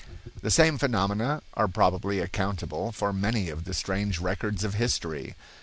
The same phenomena are probably accountable for many of the strange records of history.